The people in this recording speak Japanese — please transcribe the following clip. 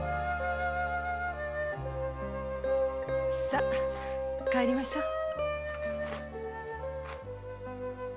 さぁ帰りましょう。